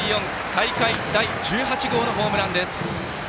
大会第１８号のホームランです。